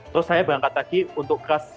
terus saya berangkat lagi untuk kelas